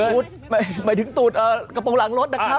หมายถึงตูดกระโปรงหลังรถนะครับ